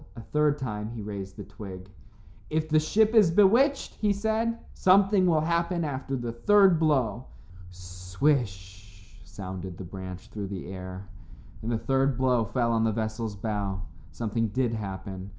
A third time he raised the twig. "If the ship is bewitched," he said, "something will happen after the third blow." "Swish" sounded the branch through the air, and the third blow fell on the vessel's bow. Something did happen.